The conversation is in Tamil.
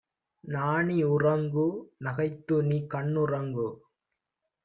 நாணி உறங்கு; நகைத்துநீ கண்ணுறங்கு!